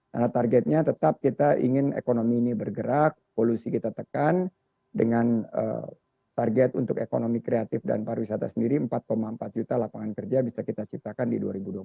karena targetnya tetap kita ingin ekonomi ini bergerak polusi kita tekan dengan target untuk ekonomi kreatif dan pariwisata sendiri empat empat juta lapangan kerja bisa kita ciptakan di dua ribu dua puluh empat